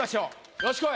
よしこい。